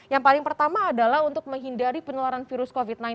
yang paling pertama adalah untuk menghindari penularan virus covid sembilan belas